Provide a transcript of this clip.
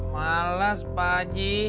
malas pak haji